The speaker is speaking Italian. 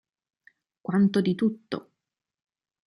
Quanto di tutto!